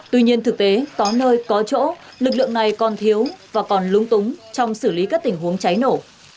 tuy nhiên thực tế có nơi có chỗ lực lượng này còn thiếu và còn lúng túng trong xử lý các tình huống cháy nổ